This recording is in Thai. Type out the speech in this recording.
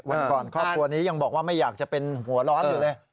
วันก่อนครอบครัวนี้ยังบอกว่าไม่อยากจะเป็นหัวร้อนอยู่เลย